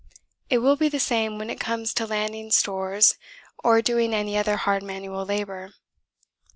It will be the same when it comes to landing stores or doing any other hard manual labour.